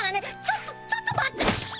ちょっとちょっと待って。